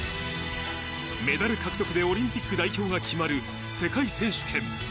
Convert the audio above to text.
メダル獲得でオリンピック代表が決まる世界選手権。